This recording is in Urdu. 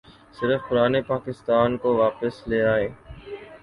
صرف پرانے پاکستان کو واپس لے آئیے۔